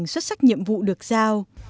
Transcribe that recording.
hoàn thành xuất sắc nhiệm vụ được giao